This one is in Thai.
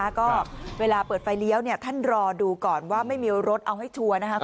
ก็เวลาเปิดไฟเลี้ยวท่านรอดูก่อนว่าไม่มีรถเอาให้ชัวร์นะครับ